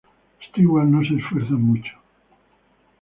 Stewart no se esfuerzan mucho.